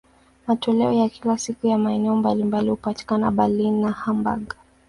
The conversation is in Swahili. Matoleo ya kila siku ya maeneo mbalimbali hupatikana Berlin na Hamburg.